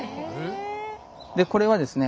これはですね